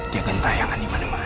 dia gantah yang animane mane